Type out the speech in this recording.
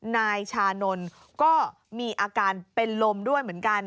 นายชานนท์ก็มีอาการเป็นลมด้วยเหมือนกัน